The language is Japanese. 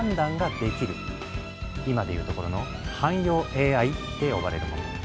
今でいうところの「汎用ＡＩ」って呼ばれるモノ。